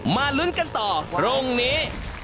มารุ้นกันต่อร่วงนี้